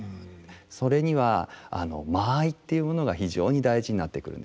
それには間合いというものが非常に大事になってくるんですね。